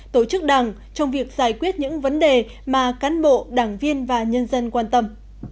tổ chức đảng trong việc giải quyết những vấn đề mà cán bộ đảng viên và nhân dân quan tâm